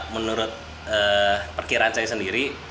menurut perkiraan saya sendiri